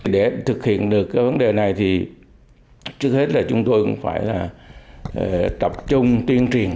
để thực hiện được cái vấn đề này thì trước hết là chúng tôi cũng phải là tập trung tuyên truyền